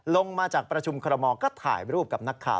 ลงมาจากประชุมคอรมอลก็ถ่ายรูปกับนักข่าว